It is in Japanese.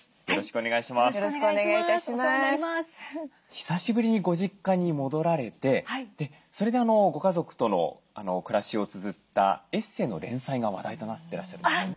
久しぶりにご実家に戻られてそれでご家族との暮らしをつづったエッセーの連載が話題となってらっしゃるんですよね。